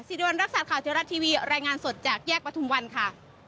วันรักษาข่าวเทวรัฐทีวีรายงานสดจากแยกประทุมวันค่ะ